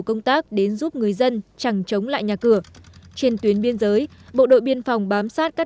quốc giúp người dân chẳng chống lại nhà cửa trên tuyến biên giới bộ đội biên phòng bám sát các